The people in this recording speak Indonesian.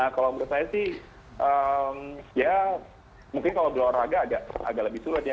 nah kalau menurut saya sih ya mungkin kalau di luar raga agak lebih sulit ya